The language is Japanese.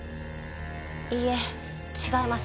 いいえ違います。